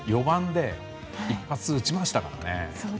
４番で一発を打ちましたからね。